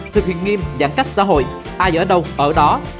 thực hiện nghiêm giãn cách xã hội ai ở đâu ở đó